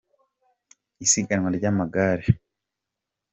Isiganwa ry’amagare